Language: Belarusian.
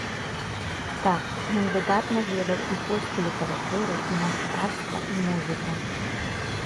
Так, ён выдатна ведаў і польскую літаратуру, і мастацтва, і музыку.